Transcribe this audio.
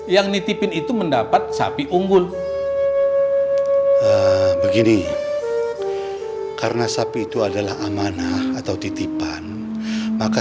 yang nitipin itu mendapat sapi unggul begini karena sapi itu adalah amanah atau titipan maka